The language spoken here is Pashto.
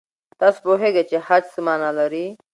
تاسو پوهېږئ چې خج څه مانا لري؟